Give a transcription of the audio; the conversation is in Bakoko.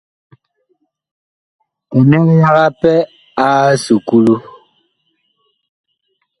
Kɛnɛg yaga pɛ a esuklu.